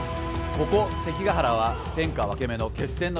ここ関ケ原は天下分け目の決戦の地。